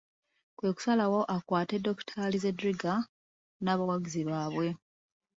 Kwe kusalawo akwate Dokitaali Zedriga n'abawagizi baabwe ?